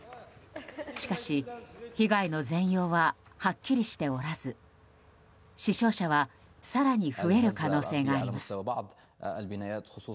しかし、被害の全容ははっきりしておらず死傷者は更に増える可能性があります。